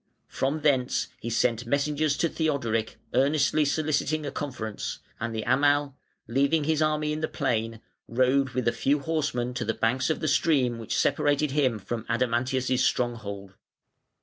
From thence he sent messengers to Theodoric earnestly soliciting a conference; and the Amal, leaving his army in the plain, rode with a few horsemen to the banks of the stream which separated him from Adamantius' stronghold.